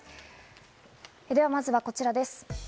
ではまずはこちらです。